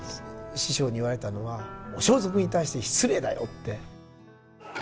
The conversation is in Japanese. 師匠に言われたのは「お装束に対して失礼だよ」って。